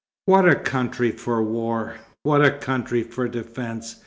"What a country for war! What a country for defence!"